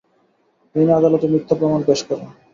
তিনি আদালতে মিথ্যা প্রমাণ পেশ করেন।